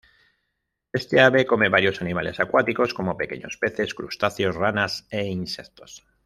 Esta ave come varios animales acuáticos, como pequeños peces, crustáceos, ranas e insectos.